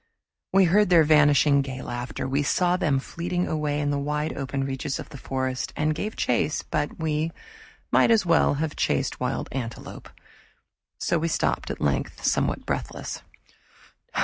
We heard their vanishing gay laughter, we saw them fleeting away in the wide open reaches of the forest, and gave chase, but we might as well have chased wild antelopes; so we stopped at length somewhat breathless.